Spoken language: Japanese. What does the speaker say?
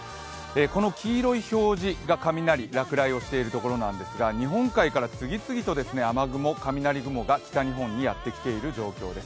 この黄色い表示が落雷をしている所なんですが日本海から次々と雨雲雷雲が北にきています。